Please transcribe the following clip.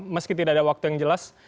meski tidak ada waktu yang jelas